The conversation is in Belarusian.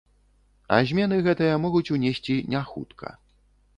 А змены гэтыя могуць унесці не хутка.